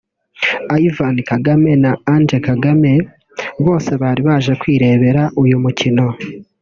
Ivan Kagame na Ange Kagame bose bari baje kwirebera uyu mukino